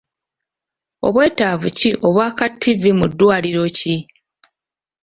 Obwetaavu ki obwa ka Ttivvi mu ddwaliro ki?